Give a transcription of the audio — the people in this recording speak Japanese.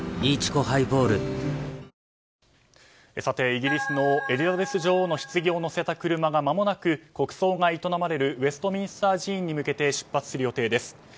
イギリスのエリザベス女王のひつぎを載せた車がまもなく、国葬が営まれるウェストミンスター寺院に向けて出発する予定です。